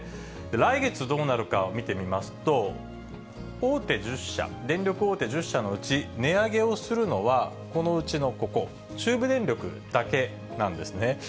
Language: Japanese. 来月どうなるかを見てみますと、大手１０社、電力大手１０社のうち、値上げをするのはこのうちのここ、中部電力だけなんですね。